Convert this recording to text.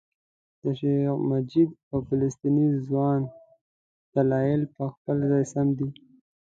د شیخ مجید او فلسطیني ځوان دلایل په خپل ځای سم دي.